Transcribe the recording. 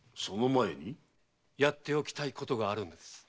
やっておきたいことがあるのです。